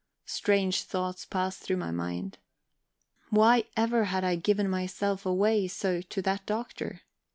Strange thoughts passed through my mind. Why ever had I given myself away so to that Doctor?